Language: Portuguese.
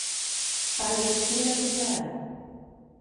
Palestina do Pará